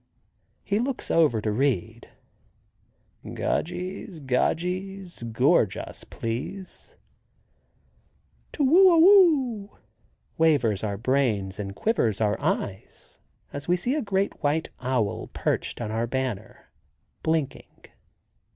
He looks over to read. "Gogies, gogies, gorge us, please." "Tu whu a whu," wavers our brains and quivers our eyes, as we see a great white owl perched on our banner, blinking.